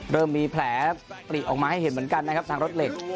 เริ่มมีแผลปลีออกมาให้เห็นเหมือนกันนะครับทางรถเหล็ก